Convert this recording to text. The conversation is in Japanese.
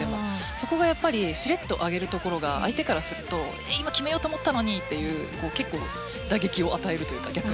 そこがやっぱりしれっと上げるところが相手からすると今、決めようと思ったのにという打撃を与えるというか。